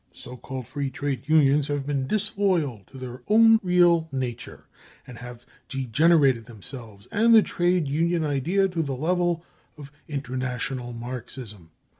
The so called free trade unions have been disloyal to their own real nature and have degenerated themselves and the trade union idea to the level of international Marxism.